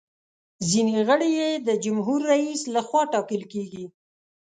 ځینې غړي یې د جمهور رئیس لخوا ټاکل کیږي.